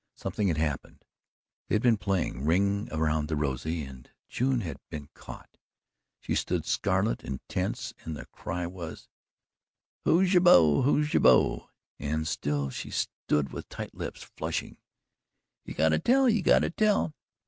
Something had happened. They had been playing "Ring Around the Rosy" and June had been caught. She stood scarlet and tense and the cry was: "Who's your beau who's your beau?" And still she stood with tight lips flushing. "You got to tell you got to tell!"